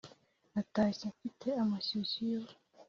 natashye mfite amashyushyu yo